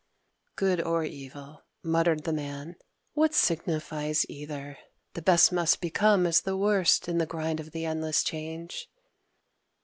"Good or evil," muttered the Man, "what signifies either? The best must become as the worst in the grind of the endless change."